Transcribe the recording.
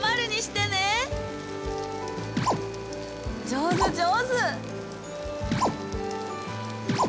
上手上手！